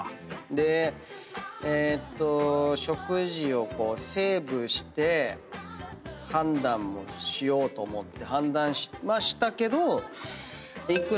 でえーっと食事をセーブして判断をしようと思って判断しましたけど。